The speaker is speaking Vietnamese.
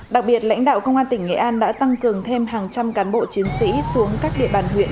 đặc biệt lãnh đạo công an tỉnh nghệ an đã tăng cường thêm hàng trăm cán bộ chiến sĩ xuống các địa bàn huyện